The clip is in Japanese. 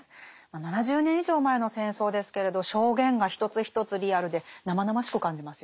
まあ７０年以上前の戦争ですけれど証言が一つ一つリアルで生々しく感じますよねえ。